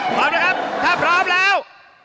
พร้อมนะครับถ้าพร้อมแล้ว